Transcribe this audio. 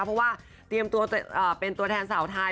เพราะว่าเตรียมตัวเป็นตัวแทนสาวไทย